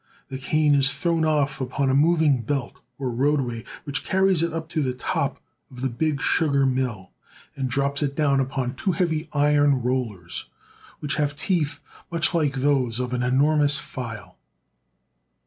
The cane is thrown ofT upon a moving belt or roadway, which carries it up to the top of the big sugar mill, and drops it down upon two heavy iron rollers, which have teeth much like those of an enormous file.